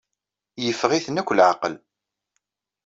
Yeffeɣ-iten akk leɛqel.